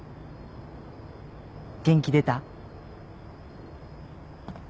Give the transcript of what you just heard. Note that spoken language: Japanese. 元気出た？